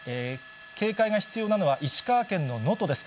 警戒が必要なのは石川県の能登です。